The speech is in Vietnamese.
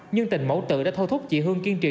nhưng tình mẫu tự đã thôi thúc chị hương kiên trì